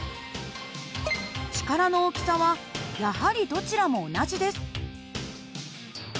力の大きさはやはりどちらも同じです。